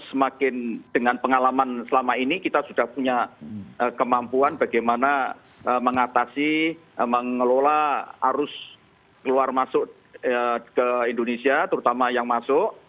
semakin dengan pengalaman selama ini kita sudah punya kemampuan bagaimana mengatasi mengelola arus keluar masuk ke indonesia terutama yang masuk